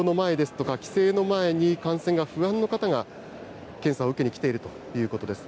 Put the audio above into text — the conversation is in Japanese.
旅行の前ですとか、帰省の前に感染が不安な方が検査を受けに来ているということです。